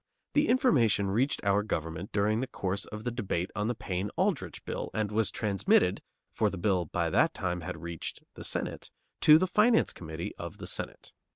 The information reached our government during the course of the debate on the Payne Aldrich Bill and was transmitted, for the bill by that time had reached the Senate, to the Finance Committee of the Senate.